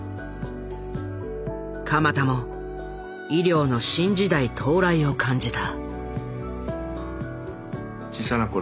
鎌田も医療の新時代到来を感じた。